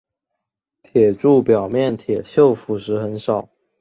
铁柱表面铁锈腐蚀很少。